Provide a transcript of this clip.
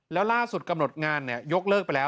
แล้วล่าสุดกำหนดงานยกเลิกไปแล้ว